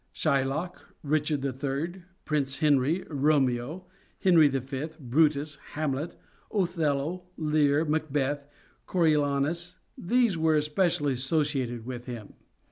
Shylock, Richard III., Prince Henry, Romeo, Henry V., Brutus, Hamlet, Othello, Lear, Macbeth, Coriolanus — these were especially associated with him.